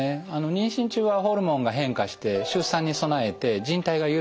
妊娠中はホルモンが変化して出産に備えてじん帯が緩んできます。